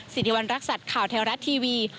สิริวัณรักษัตริย์ข่าวแท้รัฐทีวี